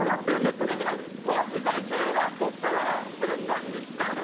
もし、１０万とったら何に使うの？